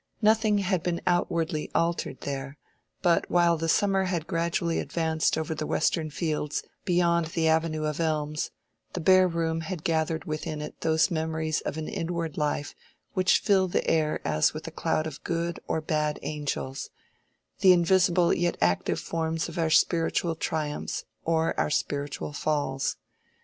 Nothing had been outwardly altered there; but while the summer had gradually advanced over the western fields beyond the avenue of elms, the bare room had gathered within it those memories of an inward life which fill the air as with a cloud of good or bad angels, the invisible yet active forms of our spiritual triumphs or our spiritual falls.